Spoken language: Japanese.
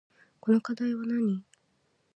この課題はなに